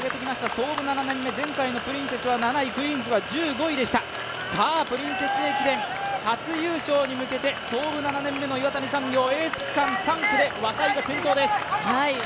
創部７年目、前回のプリンセス駅伝は７位、クイーンズは１５位でした、プリンセス駅伝初優勝に向けて岩谷産業エース区間４区で若井が先頭です。